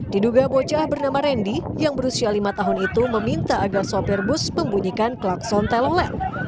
diduga bocah bernama randy yang berusia lima tahun itu meminta agar sopir bus membunyikan klakson telolet